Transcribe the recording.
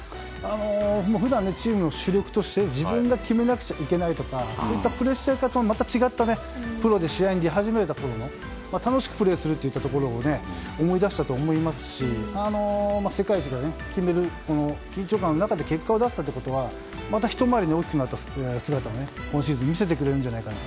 普段、チームの主力として自分が決めなくちゃいけないとかそういったプレッシャーとはまた違った、プロで試合に出始められたころの楽しくプレーすることを思い出したと思いますし世界一が決まるという緊張感の中で結果を出したということはまたひと回り大きくなった姿を、今シーズン見せてくれるんじゃないかと。